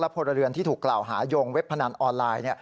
พลเรือนที่ถูกกล่าวหายงเว็บพนันออนไลน์